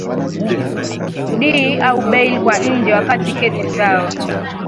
d au bail kwa nje wakati kesi zao